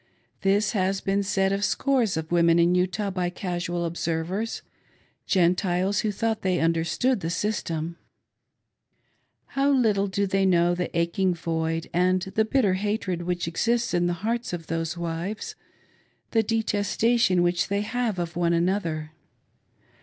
This has been said of scores of women in Utah by casual observers— Gentiles who thought they " understood " the system. How little do they know the. aching void and the bitter hatred which exists 482 HOME LIFE IN POLYGAMY. in the hearts of those wives — the detestation which they have of one another.